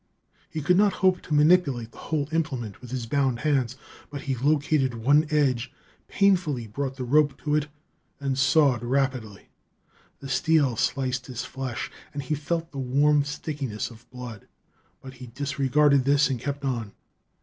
He could not hope to manipulate the whole implement with his bound hands, but he located one edge, painfully brought the rope to it and sawed rapidly. The steel sliced his flesh, and he felt the warm stickiness of blood. But he disregarded this and kept on.